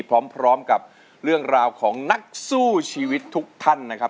พร้อมกับเรื่องราวของนักสู้ชีวิตทุกท่านนะครับ